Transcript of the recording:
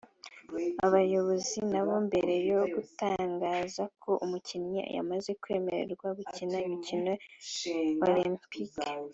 Abayobozi nabo mbere yo gutangaza ko umukinnyi yamaze kwemererwa gukina imikino olempike